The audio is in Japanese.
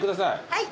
はい。